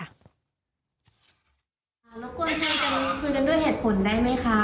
แล้วกลัวให้ทำคุยกันด้วยเหตุผลได้ไหมคะ